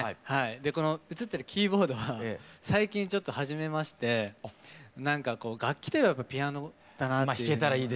でこの写ってるキーボードは最近ちょっと始めまして楽器といえばピアノだなっていう。